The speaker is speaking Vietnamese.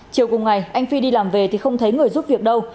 chiều cùng ngày anh phi đi làm về thì không thấy người giúp việc đâu